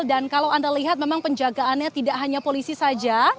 dan kalau anda lihat memang penjagaannya tidak hanya polisi saja